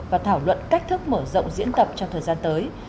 và thảo luận cách thức mở rộng diễn tập trong thời gian tới